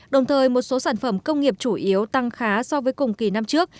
đồng thời một số sản phẩm công nghiệp chủ yếu tăng khá so với cùng kỳ năm trước